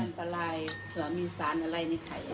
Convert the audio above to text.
อันตรายเผื่อมีสารอะไรในไข่